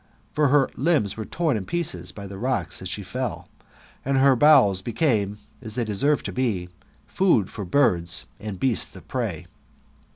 For her limbs were torn in pieces by the rocks as she fell, and her bowels became, as they deserved to be, food for birds and beasts of prey.